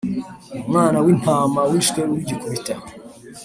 Umwana wintama wishwe rugikubita